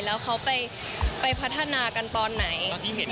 แล้วเขาไปพัฒนากันตอนไหน